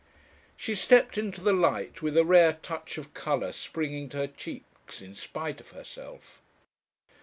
She stepped into the light, with a rare touch of colour springing to her cheeks in spite of herself.